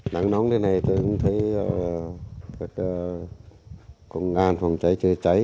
nắng nóng thế này tôi cũng thấy công an phòng cháy chữa cháy